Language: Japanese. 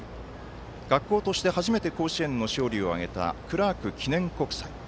学校として初めて甲子園の勝利を挙げたクラーク記念国際。